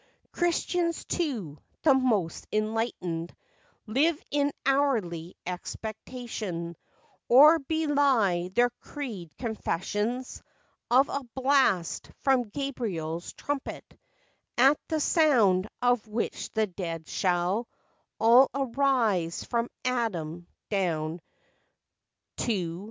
Christians, too, the most enlightened, Live in hourly expectation— Or belie their creed confessions— Of a blast from Gabriel's trumpet, At the sound of which the dead shall All arise, from Adam down to FACTS AND FANCIES.